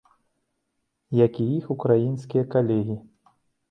Як і іх украінскія калегі.